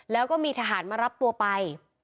แล้วก็มีทหารมารับตัวไป